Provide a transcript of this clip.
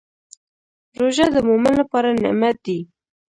روژه د مؤمن لپاره نعمت دی.